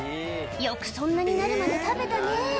よくそんなになるまで食べたねぇ